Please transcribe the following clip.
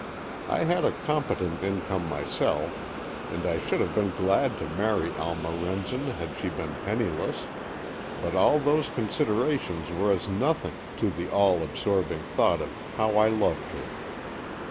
I had a competent income myself, and I should have been glad to marry Alma Remsen had she been penniless, but all those considerations were as nothing to the all absorbing thought of how I loved her.